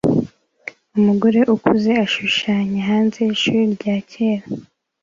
Umugore ukuze ashushanya hanze yishuri rya kera